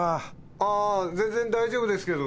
あぁ全然大丈夫ですけど。